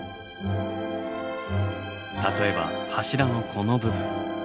例えば柱のこの部分。